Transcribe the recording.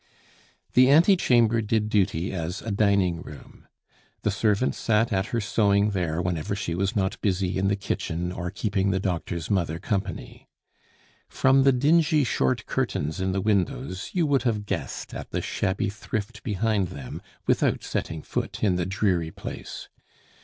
The ante chamber did duty as a dining room. The servant sat at her sewing there whenever she was not busy in the kitchen or keeping the doctor's mother company. From the dingy short curtains in the windows you would have guessed at the shabby thrift behind them without setting foot in the dreary place.